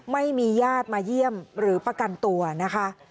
ไม่มีญาติมาเยี่ยมหรือประกันตัวนะคะ